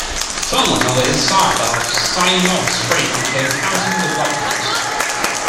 Farmlands on the east side of Simcoe Street became housing developments.